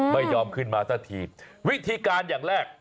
ไม่ยอมขึ้นมาสักทีวิธีการอย่างแรก